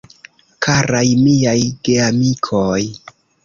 Karaj miaj Geamikoj!